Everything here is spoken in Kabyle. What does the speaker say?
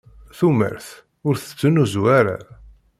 Tumert ur tettnuzu ara.